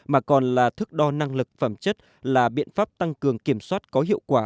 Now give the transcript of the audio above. mà còn là thước đo năng lực phẩm chất là biện pháp tăng cường kiểm soát có hiệu quả